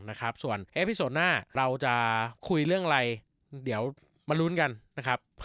นะครับส่วนหน้าเราจะคุยเรื่องอะไรเดี๋ยวมารุ้นกันนะครับ